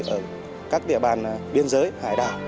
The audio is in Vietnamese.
ở các địa bàn biên giới hải đảo